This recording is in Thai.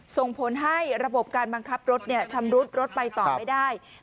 ส่งผลให้ระบบการบังคับรถชำรุดรถไปต่อไม่ได้